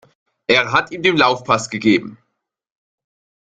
Er hat ihm den Laufpass gegeben.